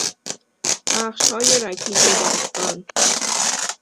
بخشهای رکیک داستان